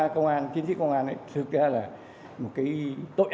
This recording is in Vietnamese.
ba công an chiến sĩ công an thực ra là một cái tội ác